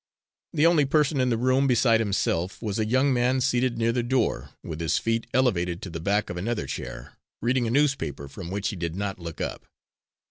The only person in the room, beside himself, was a young man seated near the door, with his feet elevated to the back of another chair, reading a newspaper from which he did not look up.